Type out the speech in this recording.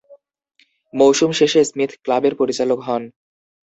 মৌসুম শেষে স্মিথ ক্লাবের পরিচালক হন।